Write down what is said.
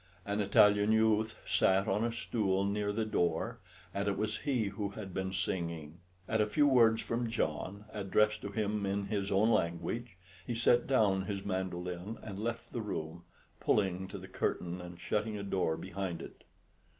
An Italian youth sat on a stool near the door, and it was he who had been singing. At a few words from John, addressed to him in his own language, he set down his mandoline and left the room, pulling to the curtain and shutting a door behind it.